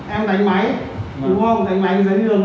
em đánh máy đúng không đánh máy cái giấy đi đường này